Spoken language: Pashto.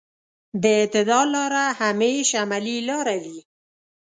د اعتدال لاره همېش عملي لاره وي.